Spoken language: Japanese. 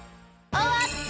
おわった！